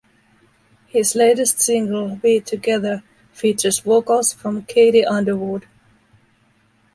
His latest single "Be Together" features vocals from Katie Underwood.